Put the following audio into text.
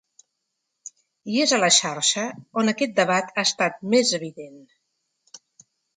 I és a la xarxa on aquest debat ha estat més evident.